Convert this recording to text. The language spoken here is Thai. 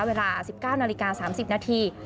เวลา๑๙นาฬิกา๓๐นาที